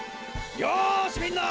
よしみんな！